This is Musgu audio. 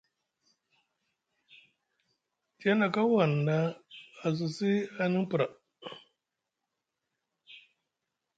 Tiyana kaw hanɗa a sosi aniŋ pra.